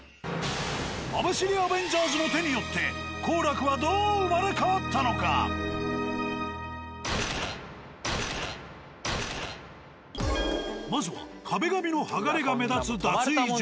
網走アベンジャーズの手によってまずは壁紙の剥がれが目立つ脱衣所。